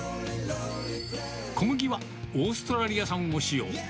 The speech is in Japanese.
小麦はオーストラリア産を使用。